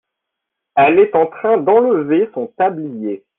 elle est en train d'enlever son tablier.